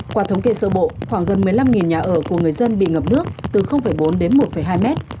qua thống kê sơ bộ khoảng gần một mươi năm nhà ở của người dân bị ngập nước từ bốn đến một hai mét